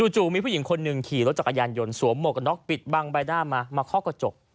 จู่มีผู้หญิงคนหนึ่งขี่รถจักรยานยนต์สวมหมวกกันน็อกปิดบังใบหน้ามามาเคาะกระจก